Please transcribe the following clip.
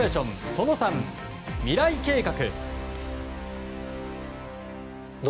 その３未来計画。